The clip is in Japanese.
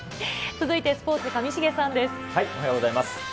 続いてスポーツ、上重さんでおはようございます。